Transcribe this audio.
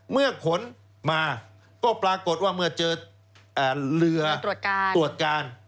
เมื่อขนมาก็ปรากฏว่าเมื่อเจอเรือตรวจการ